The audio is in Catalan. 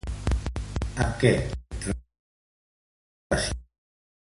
Amb què relacionava el nom de la dona?